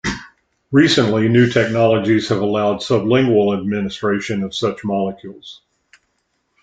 Recently, new technologies have allowed sublingual administration of such molecules.